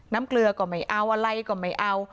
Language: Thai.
เกลือก็ไม่เอาอะไรก็ไม่เอา